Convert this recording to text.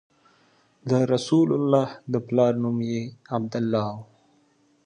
د رسول الله د پلار نوم یې عبدالله و.